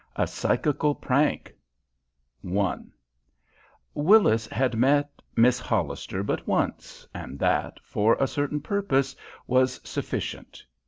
A PSYCHICAL PRANK I Willis had met Miss Hollister but once, and that, for a certain purpose, was sufficient.